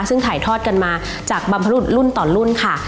ซึ่งถ่ายทอดกันมาจากบรรพรุษรุ่นต่อรุ่นค่ะ